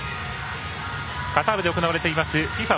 カタールで行われていますＦＩＦＡ